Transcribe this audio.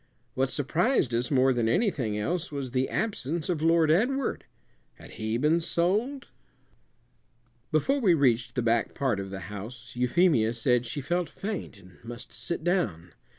What surprised us more than anything else was the absence of Lord Edward. Had he been sold? Before we reached the back part of the house Euphemia said she felt faint and must sit down.